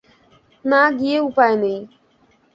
না গিয়ে উপায় নেই।